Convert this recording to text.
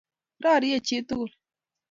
rairie chii tuggul